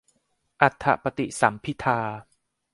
อรรถปฏิสัมภิทา